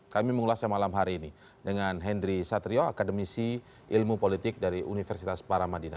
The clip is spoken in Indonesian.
kami mengulasnya malam hari ini dengan hendry satrio akademisi ilmu politik dari universitas paramadina